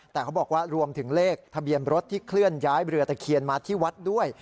แต่เขาบอกว่ารวมถึงเลขทะเบียนรถที่เคลื่อนย้ายเรือตะเคียนมาที่วัดด้วย